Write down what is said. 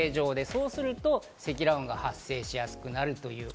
そうすると積乱雲が発生しやすくなる。